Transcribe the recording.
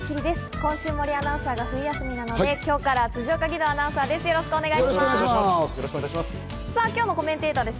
今週、森アナウンサーが冬休みなので今日から辻岡義堂アナウンサーです、よろしくお願いします。